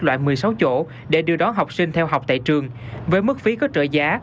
loại một mươi sáu chỗ để đưa đón học sinh theo học tại trường với mức phí có trợ giá